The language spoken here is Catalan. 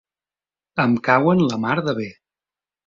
Em cauen la mar de bé.